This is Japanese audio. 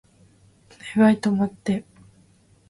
お願い止まって